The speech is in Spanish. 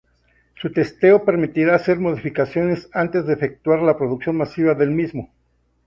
Su testeo permitirá hacer modificaciones antes de efectuar la producción masiva del mismo.